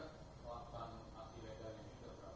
oh ini tadi belum dijawabkan ya